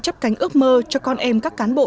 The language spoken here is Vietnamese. chấp cánh ước mơ cho con em các cán bộ